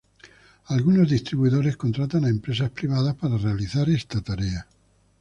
Algunos distribuidores contratan a empresas privadas para realizar esta tarea.